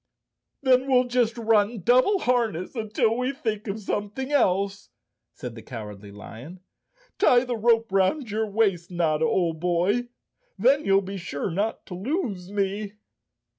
"Then we'll just run double harness until we think of something else," said the Cowardly Lion. "Tie the rope 'round your waist, Notta, old boy. Then you'll 186 Chapter Thirteen be sure not to lose me."